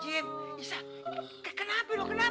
jadi apa kita pilih lain